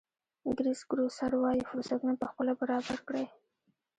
کرېس ګروسر وایي فرصتونه پخپله برابر کړئ.